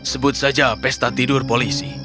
sebut saja pesta tidur polisi